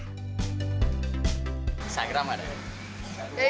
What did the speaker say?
instagram ada ya